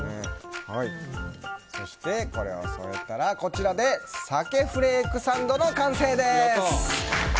そして、これを添えたら鮭フレークサンドの完成です！